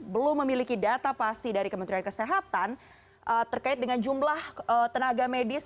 belum memiliki data pasti dari kementerian kesehatan terkait dengan jumlah tenaga medis